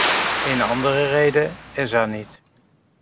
Een andere reden is er niet.